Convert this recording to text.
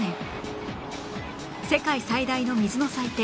世界最大の水の祭典